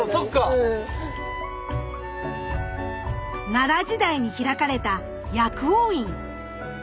奈良時代に開かれた薬王院。